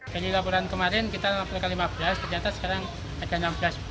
dari laporan kemarin kita laporkan lima belas ternyata sekarang ada enam belas